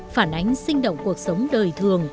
phản ánh sinh động cuộc sống đời thường